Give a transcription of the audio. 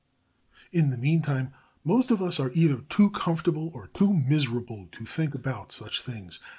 In the meantime, most of us are either too comfortable or too miserable to think about such things.